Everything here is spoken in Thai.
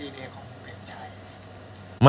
ดีเนทของผู้เป็นชาย